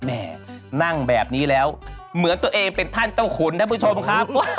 แม่นั่งแบบนี้แล้วเหมือนตัวเองเป็นท่านเจ้าขุนท่านผู้ชมครับ